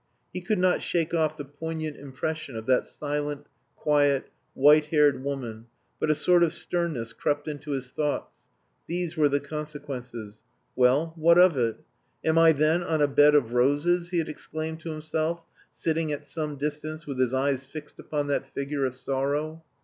He could not shake off the poignant impression of that silent, quiet, white haired woman, but a sort of sternness crept into his thoughts. These were the consequences. Well, what of it? "Am I then on a bed of roses?" he had exclaimed to himself, sitting at some distance with his eyes fixed upon that figure of sorrow.